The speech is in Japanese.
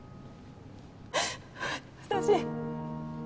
私